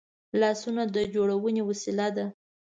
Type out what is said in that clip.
لاسونه د جوړونې وسیله ده